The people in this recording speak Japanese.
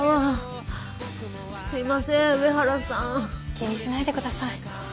気にしないで下さい。